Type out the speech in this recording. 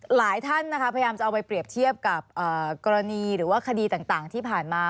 หลายท่านนะคะพยายามจะเอาไปเปรียบเทียบกับกรณีหรือว่าคดีต่างที่ผ่านมา